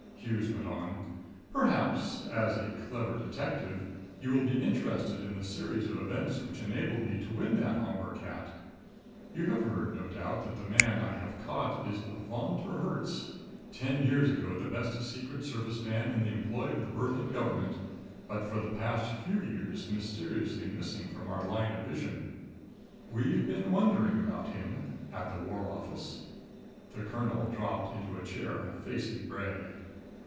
Hughes went on: "Perhaps, as a clever detective, you will be interested in the series of events which enabled me to win that Homburg hat? You have heard, no doubt, that the man I have caught is Von der Herts ten years ago the best secret service man in the employ of the Berlin government, but for the past few years mysteriously missing from our line of vision. We've been wondering about him at the War Office." The colonel dropped into a chair, facing Bray.